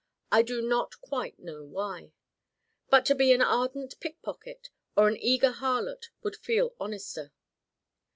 I do not quite know why. But to be an ardent pickpocket or an eager harlot would feel honester.